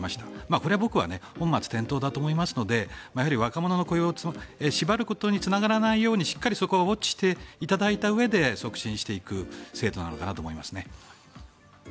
これは僕は本末転倒だと思いますのでやはり若者の雇用を縛ることにつながらないようにしっかりそこをウォッチしていただいたうえで促進していく制度なのかなと思います。